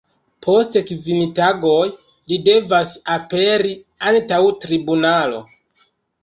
Post kvin tagoj li devas aperi antaŭ tribunalo.